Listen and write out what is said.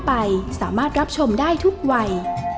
เหม้าบ้านประจันบัน